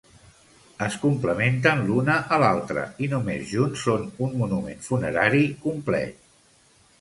Es complementen l'una a l'altre i només junts són un monument funerari complet.